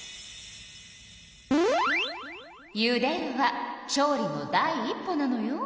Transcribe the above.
「ゆでる」は調理の第一歩なのよ。